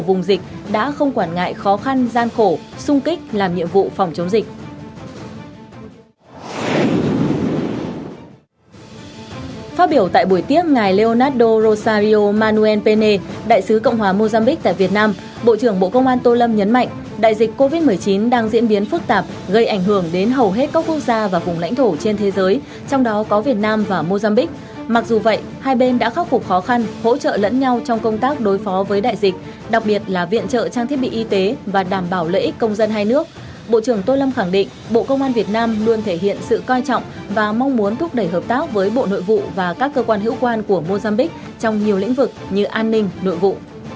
bộ trưởng tô lâm khẳng định bộ công an việt nam luôn thể hiện sự coi trọng và mong muốn thúc đẩy hợp tác với bộ nội vụ và các cơ quan hữu quan của mozambique trong nhiều lĩnh vực như an ninh nội vụ